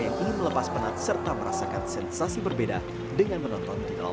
yang ingin melepas penat serta merasakan sensasi berbeda dengan menonton di dalam